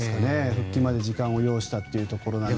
復帰まで時間を要したというところです。